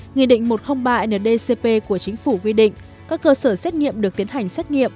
nghị định một trăm linh ba ndcp của chính phủ quy định các cơ sở xét nghiệm được tiến hành xét nghiệm